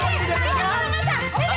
hidup hidup hidup